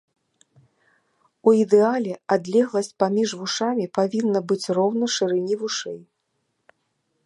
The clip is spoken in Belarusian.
У ідэале адлегласць паміж вушамі павінна быць роўна шырыні вушэй.